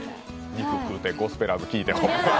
肉食うて、ゴスペラーズ聴いて。